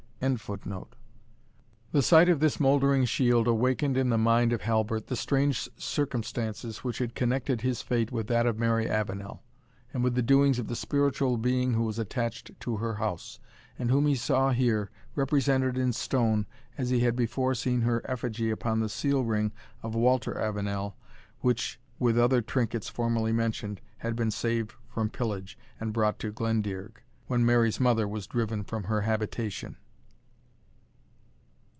] The sight of this mouldering shield awakened in the mind of Halbert the strange circumstances which had connected his fate with that of Mary Avenel, and with the doings of the spiritual being who was attached to her house, and whom he saw here, represented in stone, as he had before seen her effigy upon the seal ring of Walter Avenel, which, with other trinkets formerly mentioned, had been saved from pillage, and brought to Glendearg, when Mary's mother was driven from her habitation.